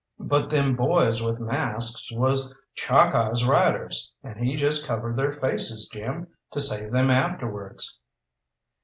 "But them boys with masks was Chalkeye's riders, and he just covered their faces, Jim, to save them afterwards."